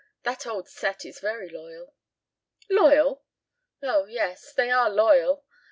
That old set is very loyal." "Loyal! Oh, yes. They are loyal.